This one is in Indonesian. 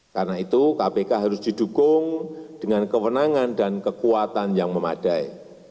karena itu kpk harus didukung dengan kewenangan dan kekuatan yang memadai